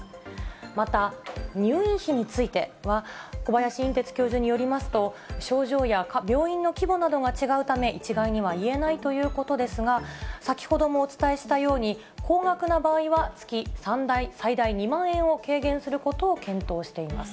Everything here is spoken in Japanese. また、入院費については、小林寅てつ教授によりますと、症状や病院の規模などが違うため、一概には言えないということですが、先ほどもお伝えしたように、高額な場合は月最大２万円を軽減することを検討しています。